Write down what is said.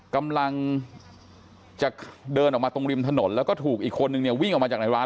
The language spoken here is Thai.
กำลังจะเดินออกมาตรงริมถนนแล้วก็ถูกอีกคนนึงเนี่ยวิ่งออกมาจากในร้าน